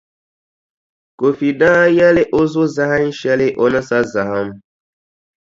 Kofi daa yɛli o zo zahinʼ shɛli o ni sa zahim.